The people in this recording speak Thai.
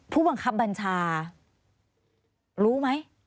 ถูกหวังคำบัญชารู้ไหม